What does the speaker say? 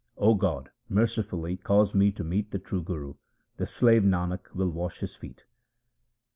O God, mercifully cause me to meet the true Guru ; the slave Nanak will wash his feet.